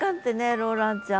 ローランちゃん。